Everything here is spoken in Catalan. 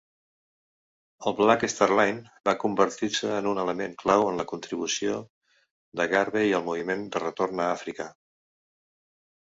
El "Black Star Line" va convertir-se en un element clau de la contribució de Garvey al moviment de retorn a Àfrica.